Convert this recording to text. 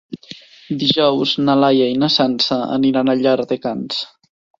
Dijous na Laia i na Sança aniran a Llardecans.